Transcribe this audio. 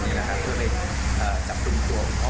เพื่อได้จับปรุงตัวของพ่อ